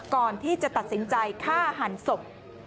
ก่อนที่จะตัดสินใจฆ่าหันศพ